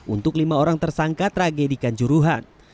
untuk lima orang tersangka tragedikan juruhan